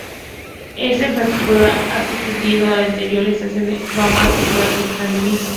Esta infraestructura ha sustituido a la anterior estación de guaguas situada en San Benito.